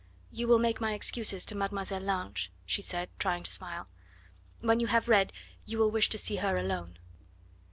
"You will make my excuses to Mademoiselle Lange," she said, trying to smile. "When you have read, you will wish to see her alone."